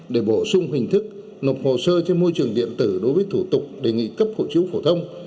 để bổ sung hình thức nộp hồ sơ trên môi trường điện tử đối với thủ tục đề nghị cấp hộ chiếu phổ thông